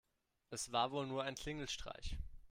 Es war wohl nur ein Klingelstreich.